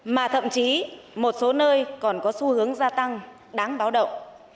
mà thậm chí một số nơi còn có xu hướng gia tăng đáng báo động